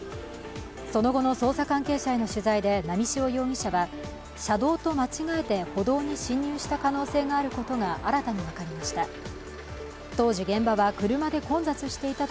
その後の捜査関係者への取材で波汐容疑者は車道と間違えて歩道に進入した可能性があることが新たに分かりました。